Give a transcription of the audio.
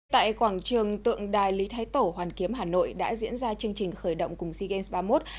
tại quảng trường tượng đài lý thái tổ hoàn kiếm hà nội đã diễn ra chương trình khởi động cùng sea games ba mươi một